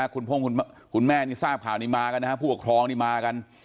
คุณคุณแม่นี่ทราบข่าวนี้มากันนะครับผู้ปกครองนี่มากัน